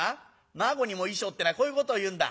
『馬子にも衣装』ってのはこういうことをいうんだ。